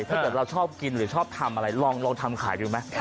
ถ้าเกิดเราชอบกินหรือชอบทำอะไรลองทำขายดูไหม